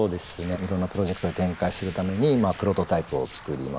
いろんなプロジェクトを展開するためにプロトタイプを作りました。